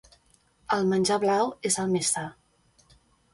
El menjar blau és el més sa.